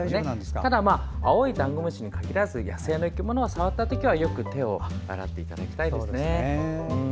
ただ、青いダンゴムシに限らず野生の生き物を触ったときはよく手を洗っていただきたいです。